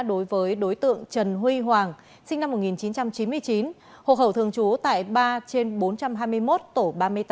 đối với đối tượng trần huy hoàng sinh năm một nghìn chín trăm chín mươi chín hộ khẩu thường trú tại ba trên bốn trăm hai mươi một tổ ba mươi tám